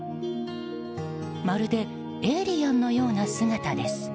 まるでエイリアンのような姿です。